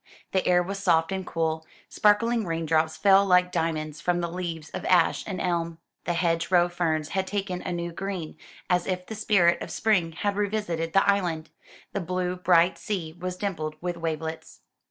The air was soft and cool; sparkling rain drops fell like diamonds from the leaves of ash and elm. The hedge row ferns had taken a new green, as if the spirit of spring had revisited the island. The blue bright sea was dimpled with wavelets.